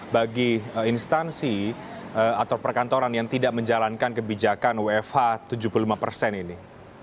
bagi instansi atau perkantoran yang tidak menjalankan kebijakan wfh tujuh puluh lima persen ini